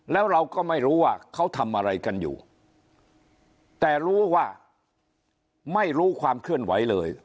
แล้วเราก็ไม่รู้ว่าเขาทำอะไรกันอยู่แต่รู้ว่าไม่รู้ความเคลื่อนไหวเลย